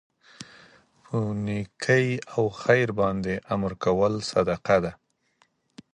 په نيکي او خیر باندي امر کول صدقه ده